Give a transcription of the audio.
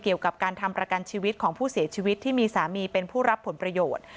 เกี่ยวกับการทำประกันชีวิตของผู้เสียชีวิตที่มีสามีเป็นผู้รับผลประโยชน์